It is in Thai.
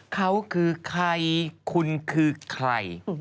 เขาคือใครคุณคือใคร